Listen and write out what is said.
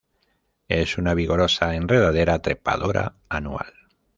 Es una vigorosa enredadera trepadora anual.